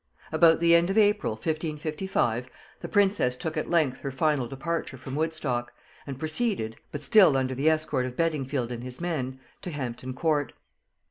About the end of April, 1555, the princess took at length her final departure from Woodstock, and proceeded, but still under the escort of Beddingfield and his men, to Hampton Court.